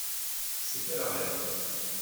C’est quel arrêt ?